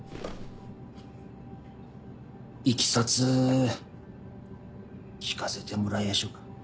いきさつ聞かせてもらいやしょうか。